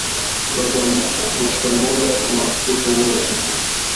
Banamuchomola makuta yote